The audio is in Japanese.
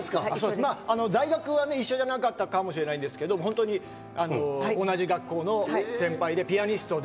在学は一緒じゃなかったかもしれないですけど、同じ学校の先輩で、ピアニストで。